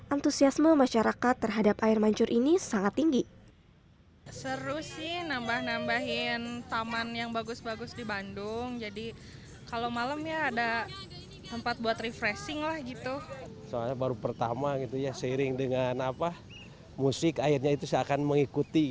antusiasme masyarakat terhadap air mancur ini sangat tinggi